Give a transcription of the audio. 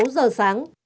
sáu giờ sáng